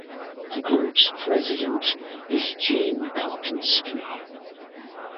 The group's president is Gene Karpinski.